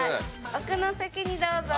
奥の席にどうぞ。